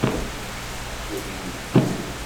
Urid